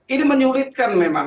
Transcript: ini menyulitkan memang